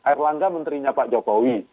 erlangga menterinya pak jokowi